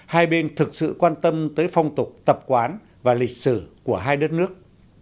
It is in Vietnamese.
hai bên thực sự quan tâm tới phong tục tập quán và lịch sử của hai đất nước